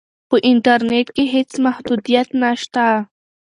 په انټرنیټ کې هیڅ محدودیت نشته.